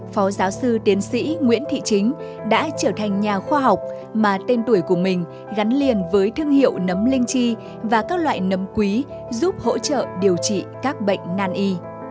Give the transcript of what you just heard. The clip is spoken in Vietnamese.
phó giáo sư tiến sĩ nguyễn thị chính đã trở thành nhà khoa học mà tên tuổi của mình gắn liền với thương hiệu nấm linh chi và các loại nấm quý giúp hỗ trợ điều trị các bệnh nàn y